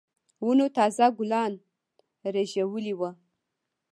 ونو تازه ګلان رېژولي وو.